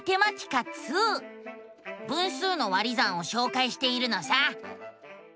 分数の「割り算」をしょうかいしているのさ。